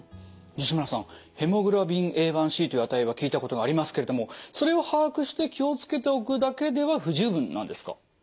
西村さんヘモグロビンＡ１ｃという値は聞いたことがありますけれどもそれを把握して気を付けておくだけでは不十分なんですか？